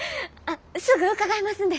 すぐ伺いますんで！